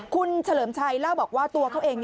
คุณเฉลิมชัยเล่าบอกว่าตัวเขาเอง